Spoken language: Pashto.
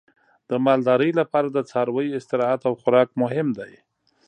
د مالدارۍ لپاره د څارویو استراحت او خوراک مهم دی.